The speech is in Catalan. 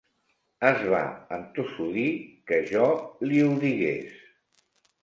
Es va entossudir que jo li ho digués.